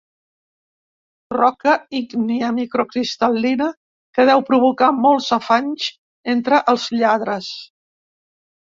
Roca ígnia microcristal·lina que deu provocar molts afanys entre els lladres.